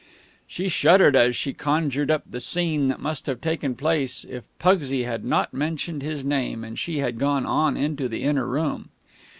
She shuddered as she conjured up the scene that must have taken place if Pugsy had not mentioned his name and she had gone on into the inner room.